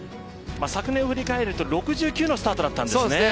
昨年を振り返ると６９のスタートだったんですね。